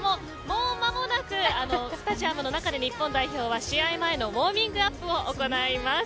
もう間もなく、スタジアムの中で日本代表は試合前のウォームアップを行います。